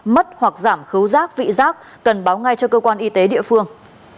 mất hoặc giảm khấu rác vị rác cần báo ngay cho cơ quan y tế địa phương